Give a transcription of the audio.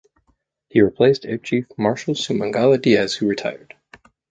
He replaced Air Chief Marshal Sumangala Dias who retired.